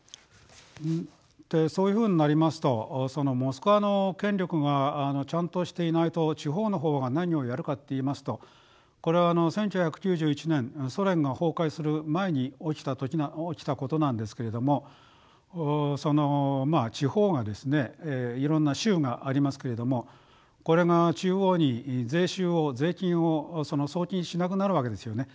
そういうふうになりますとモスクワの権力がちゃんとしていないと地方の方が何をやるかっていいますとこれは１９９１年ソ連が崩壊する前に起きたことなんですけれどもそのまあ地方がですねいろんな州がありますけれどもこれが中央に税収を税金を送金しなくなるわけですよね。